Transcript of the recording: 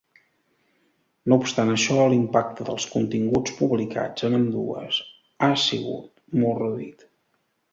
No obstant això, l’impacte dels continguts publicats en ambdues ha sigut molt reduït.